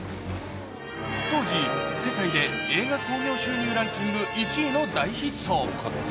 当時、世界で映画興行収入ランキング１位の大ヒット。